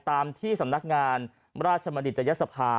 ตามที่สำนักงานราชมณิตยศภา